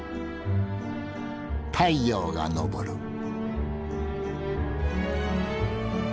太陽が昇る。